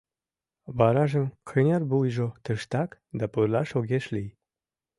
Варажым кынервуйжо тыштак, да пурлаш огеш лий.